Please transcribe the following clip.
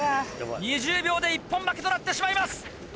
２０秒で一本負けとなってしまいます。